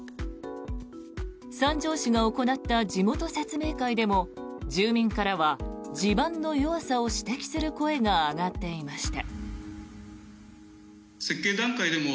三条市が行った地元説明会でも住民からは地盤の弱さを指摘する声が上がっていました。